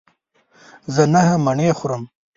زه نهه مڼې خورم.